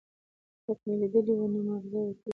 ـ پک مې ليدلى وو، نه معاغزه وتلى.